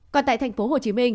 còn tại tp hcm